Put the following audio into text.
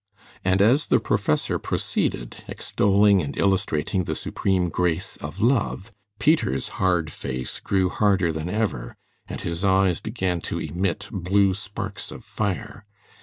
And as the professor proceeded, extolling and illustrating the supreme grace of love, Peter's hard face grew harder than ever, and his eyes began to emit blue sparks of fire.